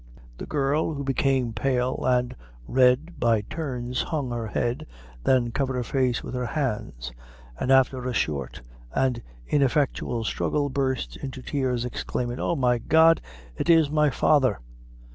The girl, who became pale and red by turns, hung her head, then covered her face with her hands; and after a short and ineffectual struggle, burst into tears, exclaiming "Oh, my God, it is my father!"